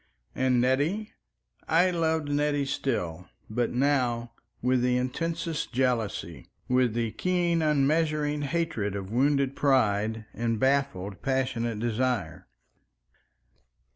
And Nettie? I loved Nettie still, but now with the intensest jealousy, with the keen, unmeasuring hatred of wounded pride, and baffled, passionate desire.